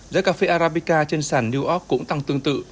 giá cà phê arabica trên sàn new york cũng tăng tương tự